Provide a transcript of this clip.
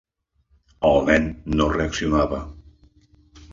El nen no reaccionava.